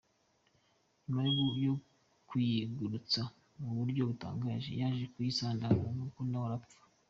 Nyuma yo kuyigurutsa "mu buryo butangaje", yaje kuyisandaza nuko nawe arapfa.